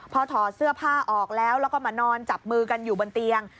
พอถอดเสื้อผ้าออกแล้วแล้วก็มานอนจับมือกันอยู่บนเตียง